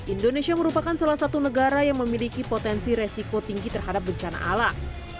indonesia merupakan salah satu negara yang memiliki potensi resiko tinggi terhadap bencana alam